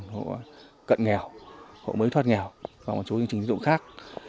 hộ cận nghèo hộ mới thoát nghèo và một số chương trình tín dụng khác